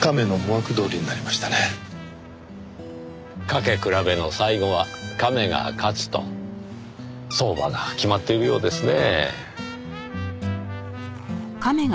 駆け比べの最後はカメが勝つと相場が決まっているようですねぇ。